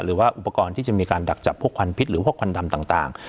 หรือว่าอุปกรณ์ที่จะมีการดักจับพวกควันพิษหรือพวกควันดำต่าง